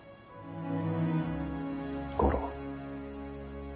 五郎。